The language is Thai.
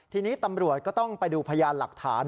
ทีนี้ตำรวจก็ต้องไปดูพยานหลักฐาน